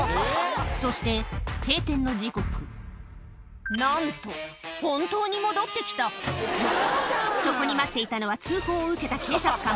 そして閉店の時刻なんと本当に戻ってきたそこに待っていたのは通報を受けた警察官